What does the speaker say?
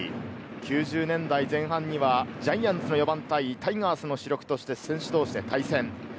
９０年代前半にはジャイアンツの４番対タイガースの主力として、選手同士で対戦。